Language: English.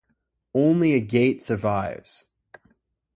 Only a gate survives.